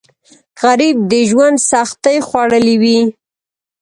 غریب د ژوند سختۍ خوړلي وي